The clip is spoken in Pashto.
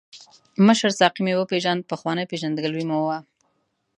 مشر ساقي مې وپیژاند، پخوانۍ پېژندګلوي مو وه.